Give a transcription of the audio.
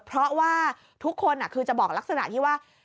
เพราะว่าทุกคนคือจะบอกลักษณะที่ว่า